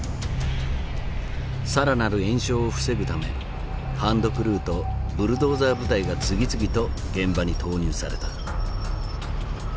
更なる延焼を防ぐためハンドクルーとブルドーザー部隊が次々と現場に投入された。